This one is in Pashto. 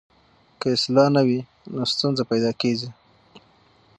که اصلاح نه وي نو ستونزه پیدا کېږي.